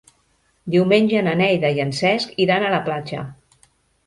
Diumenge na Neida i en Cesc iran a la platja.